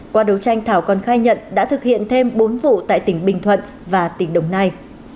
qua đấu tranh thảo còn khai nhận đã thực hiện thêm bốn vụ tại tỉnh bình thuận và tỉnh đồng nai